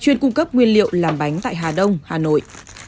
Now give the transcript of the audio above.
chuyên cung cấp nguyên liệu làm bánh tại hà đông hà nội